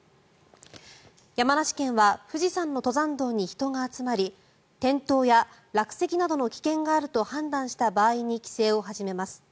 山梨県は富士山の登山道に人が集まり転倒や落石などの危険があると判断した場合に規制を始めます。